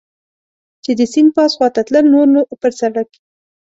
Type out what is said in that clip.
چې د سیند پاس خوا ته تلل، نور نو پر سړک.